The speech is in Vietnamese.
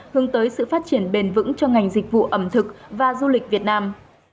hướng tới sự phát triển bền vững cho ngành dịch vụ ẩm thực và du lịch việt nam